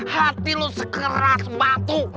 hati lo sekeras batu